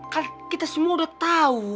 kan kita semua udah tahu